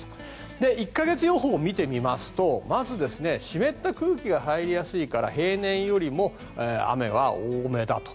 １か月予報を見るとまず湿った空気が入りやすいから平年より雨は多めだと。